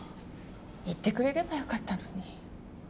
言ってくれればよかったのに。